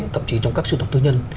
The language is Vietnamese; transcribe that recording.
thậm chí trong các siêu tộc tư nhân